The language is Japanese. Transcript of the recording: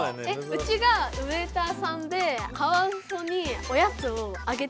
うちがウエイターさんでカワウソにおやつをあげてるっていう。